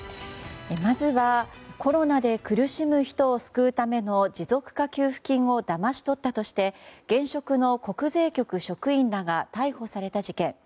まずはコロナで苦しむ人を救うための持続化給付金をだまし取ったとして現職の国税局職員らが逮捕された事件。